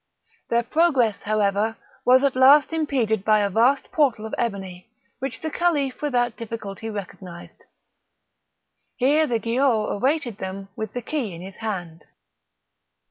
Their progress, however, was at length impeded by a vast portal of ebony, which the Caliph without difficulty recognised; here the Giaour awaited them with the key in his hand.